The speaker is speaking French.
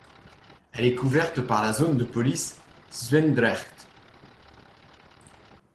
Elle est couverte par la Zone de police Zwijndrecht.